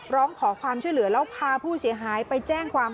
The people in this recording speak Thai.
ร้องขอความช่วยเหลือแล้วพาผู้เสียหายไปแจ้งความ